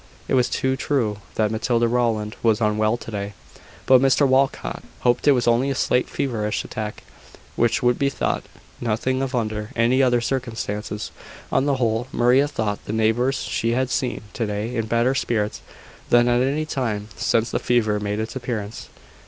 It was too true that Matilda Rowland was unwell to day; but Mr Walcot hoped it was only a slight feverish attack, which would be thought nothing of under any other circumstances. On the whole, Maria thought the neighbours she had seen to day in better spirits than at any time since the fever made its appearance.